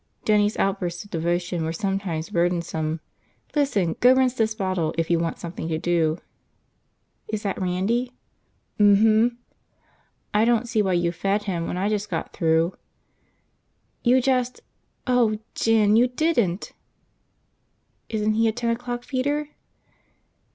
Jinny's outbursts of devotion were sometimes burdensome. "Listen, go rinse this bottle if you want something to do." "Is that Randy?" "Mm hm." "I don't see why you fed him when I just got through." "You just – oh, Jin, you didn't!" "Isn't he a ten o'clock feeder?"